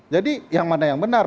jadi yang mana yang benar